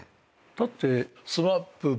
だって。